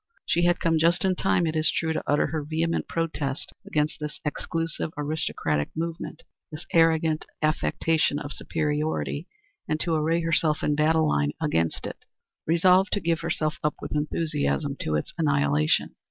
She had come just in time, it is true, to utter her vehement protest against this exclusive, aristocratic movement this arrogant affectation of superiority, and to array herself in battle line against it, resolved to give herself up with enthusiasm to its annihilation.